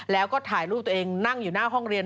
แล้วก็ถ่ายรูปตัวเองนั่งอยู่หน้าห้องเรียน